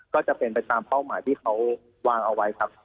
ก็จะเป็นไปตามเป้าหมายที่เขาวางเอาไว้ครับ